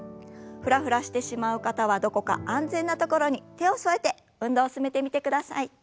フラフラしてしまう方はどこか安全な所に手を添えて運動を進めてみてください。